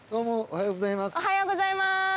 おはようございます。